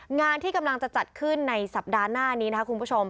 งานที่กำลังจะจัดขึ้นในสัปดาห์หน้านี้นะครับคุณผู้ชม